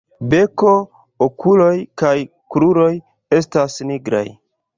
Beko, okuloj kaj kruroj estas nigraj.